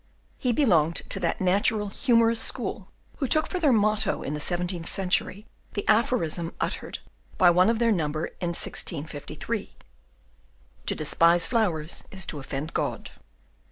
He belonged to that natural, humorous school who took for their motto in the seventeenth century the aphorism uttered by one of their number in 1653, "To despise flowers is to offend God."